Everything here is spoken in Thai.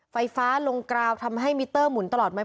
ไฟฟ้าลงกราวทำให้มิเตอร์หมุนตลอดไหม